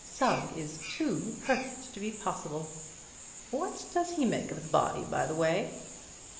Sugg is too perfect to be possible. What does he make of the body, by the way?"